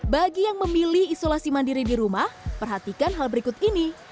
bagi yang memilih isolasi mandiri di rumah perhatikan hal berikut ini